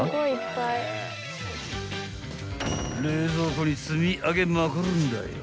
［冷蔵庫に積み上げまくるんだよ］